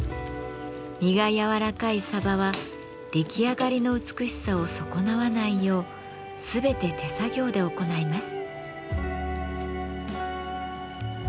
身がやわらかいサバは出来上がりの美しさを損なわないよう全て手作業で行います。